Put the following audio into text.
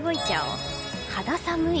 肌寒い。